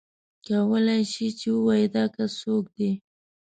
کولای شې چې ووایې دا کس څوک دی.